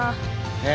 ねえ。